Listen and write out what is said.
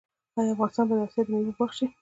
آیا افغانستان به د اسیا د میوو باغ شي؟